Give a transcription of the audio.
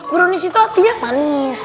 brones itu artinya manis